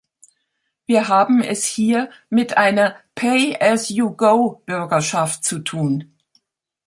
Wir haben es hier mit einer "Pay-as-you-go-Bürgerschaft" zu tun.